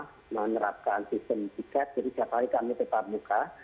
kita menerapkan sistem tiket jadi setiap hari kami tetap muka